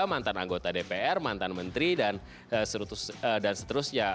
mantan anggota dpr mantan menteri dan seterusnya